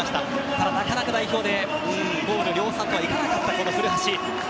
ただなかなか代表でゴール量産とはいかなかった、古橋。